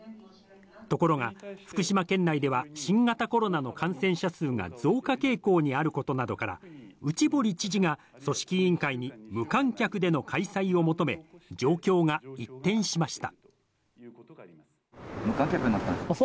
ところが、福島県内では新型コロナの感染者数が増加傾向にあることなどから内堀知事が組織委員会に無観客での開催を求め状況が一転しました。